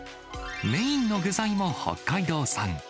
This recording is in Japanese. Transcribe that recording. メインの具材も北海道産。